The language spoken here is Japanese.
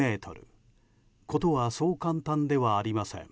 事はそう簡単ではありません。